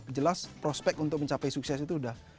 itu sudah jelas prospek untuk mencapai sukses itu sudah